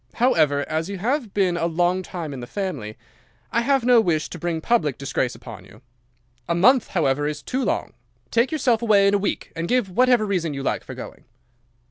However, as you have been a long time in the family, I have no wish to bring public disgrace upon you. A month, however is too long. Take yourself away in a week, and give what reason you like for going."